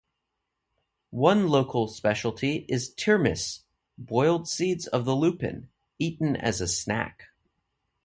One local speciality is "tirmis", boiled seeds of the lupin, eaten as a snack.